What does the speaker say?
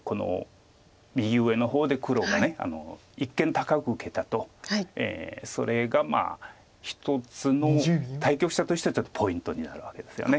右上の方で黒が一間高く受けたとそれが一つの対局者としてはちょっとポイントになるわけですよね。